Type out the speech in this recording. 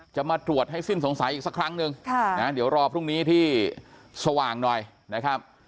จะมาตรวจให้สิ้นสงสัยอีกสักครั้งหนึ่งเดี๋ยวรอพรุ่งนี้ที่สว่างหน่อยนะครับ